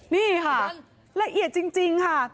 นี่ค่ะละเอียดจริงค่ะ